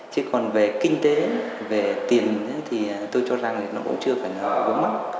chứ còn về kinh tế về tiền thì tôi cho rằng nó cũng chưa phải ở vớn mắt